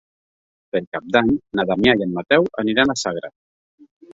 Per Cap d'Any na Damià i en Mateu aniran a Sagra.